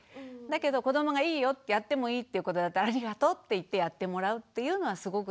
だけど子どもがいいよやってもいいっていうことだったら「ありがとう」って言ってやってもらうっていうのはすごく大事。